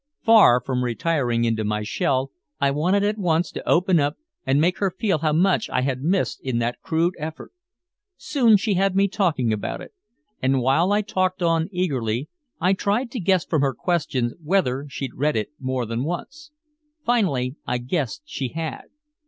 Far from retiring into my shell, I wanted at once to open up and make her feel how much I had missed in that crude effort. Soon she had me talking about it. And while I talked on eagerly, I tried to guess from her questions whether she'd read it more than once. Finally I guessed she had.